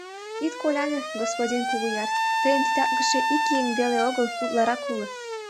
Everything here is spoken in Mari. Ит коляне, господин Кугуяр, тыйым титаклыше ик еҥ веле огыл, утларак уло.